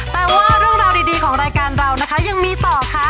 แต่ว่าเรื่องราวดีของรายการเรานะคะยังมีต่อค่ะ